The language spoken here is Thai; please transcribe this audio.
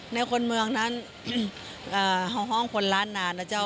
ในคนเมืองนั้นห้องคนล้านนา